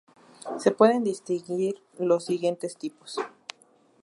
Se pueden distinguir los siguientes tipos.